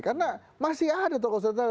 karena masih ada toko sentral